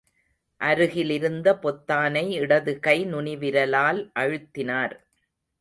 அருகிலிருந்த பொத்தானை இடது கை நுனி விரலால் அழுத்தினார்.